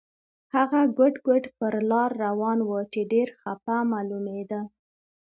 هغه ګوډ ګوډ پر لار روان و چې ډېر خپه معلومېده.